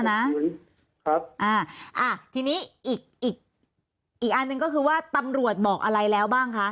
ครับอ่าอ่ะทีนี้อีกอีกอันหนึ่งก็คือว่าตำรวจบอกอะไรแล้วบ้างคะ